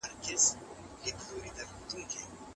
سبا به نوی پلان جوړ سي.